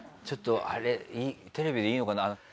ちょっとあれテレビでいいのかな？